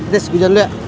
tis gue jalan dulu ya